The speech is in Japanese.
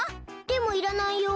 でもいらないよ。